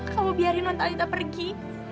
kamu biarin nontalita pergi